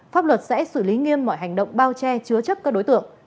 pháp luật sẽ xử lý nghiêm mọi hành động bao che chứa chấp các đối tượng